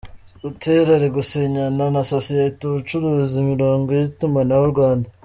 Butera Ari Gusinyana nasosiyete icuruza Imirongo yitumanaho Rwanda